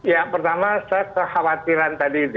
ya pertama saya kekhawatiran tadi